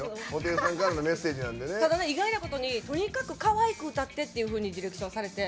意外なことに、とにかくかわいく歌ってっていうふうにディレクションされて。